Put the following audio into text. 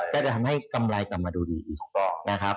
ได้ท้องให้กำไรกลับมาดีอีก